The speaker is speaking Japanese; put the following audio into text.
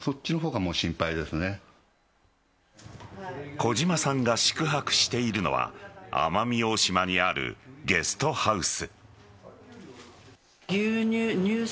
小島さんが宿泊しているのは奄美大島にあるゲストハウス。